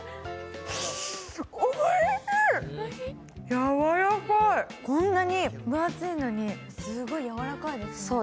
やわらかい、こんなに分厚いのにすごいやわらかいですね。